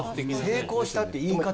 成功したって言い方ね。